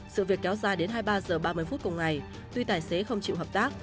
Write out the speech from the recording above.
sự việc kéo dài đến hai mươi ba h ba mươi phút cùng ngày tuy tài xế không chịu hợp tác